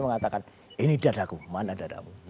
mengatakan ini dadaku mana dadahmu